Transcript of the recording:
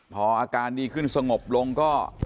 พออาการดีขึ้นสงบลงก็